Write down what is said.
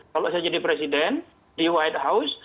kalau saya jadi presiden di white house